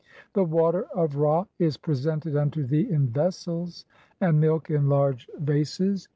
The water of "Ra is presented unto thee in vessels, and milk in large vases.